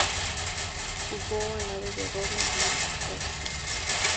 Jugó al lado de Robin Van Persie.